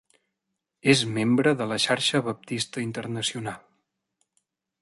És membre de la Xarxa Baptista Internacional.